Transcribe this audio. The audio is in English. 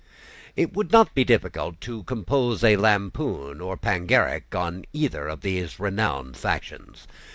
It would not be difficult to compose a lampoon or panegyric on either of these renowned factions.